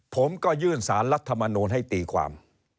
ผมก็ยื่นสารรัฐมนูลให้ตีความ